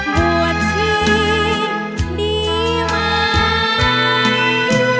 บัวที่ดีไหม